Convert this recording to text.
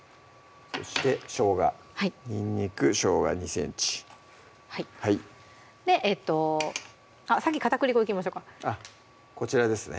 そしてしょうがにんにく・しょうが２ｃｍ先片栗粉いきましょかこちらですね